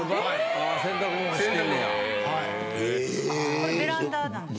・これベランダなんですか？